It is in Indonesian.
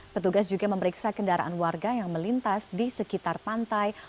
petugas juga memeriksa kendaraan warga yang melintas di sekitar pantai